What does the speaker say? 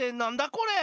これ！